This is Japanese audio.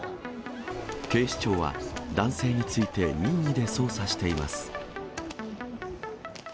警視庁は、男性について任意で捜査しています。